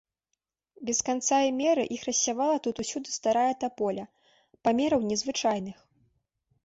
Без канца і меры іх рассявала тут усюды старая таполя, памераў незвычайных.